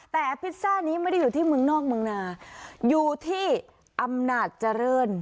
แต่พิซซ่านี้ไม่ได้อยู่ที่เมืองนอกเมืองนาอยู่ที่อำนาจเจริญ